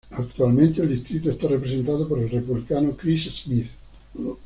Actualmente el distrito está representado por el Republicano Chris Smith.